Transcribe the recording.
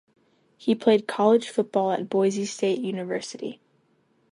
He played college football at Boise State University.